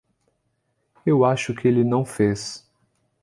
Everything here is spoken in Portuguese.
Eu acho que ele não fez.